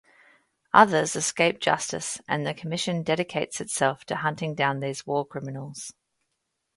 Others escape justice, and the commission dedicates itself to hunting down these war criminals.